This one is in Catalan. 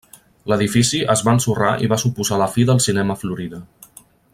L’edifici es va ensorrar i va suposar la fi del cinema Florida.